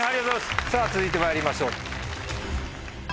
さぁ続いてまいりましょう。